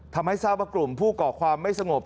ทำให้ทราบว่ากลุ่มผู้ก่อความไม่สงบ